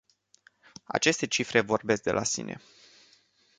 Aceste cifre vorbesc de la sine.